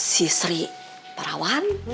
si istri perawan